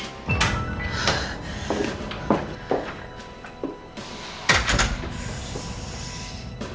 senyum untuk kenapa kenapa kenapa